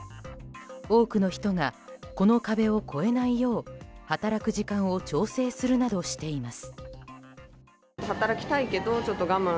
多くの人がこの壁を超えないよう働く時間を調整するなどしています。